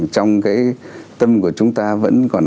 trong cái tâm của chúng ta vẫn còn